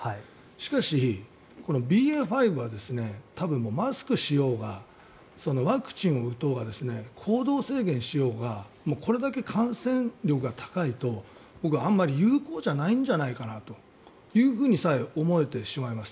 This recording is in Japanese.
しかし、ＢＡ．５は多分、マスクしようがワクチンを打とうが行動制限をしようがこれだけ感染力が高いとあんまり有効じゃないんじゃないかとさえ思えてしまいます。